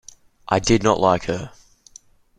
I did not like her.